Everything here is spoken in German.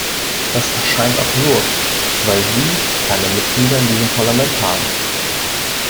Das erscheint absurd, weil sie keine Mitglieder in diesem Parlament haben.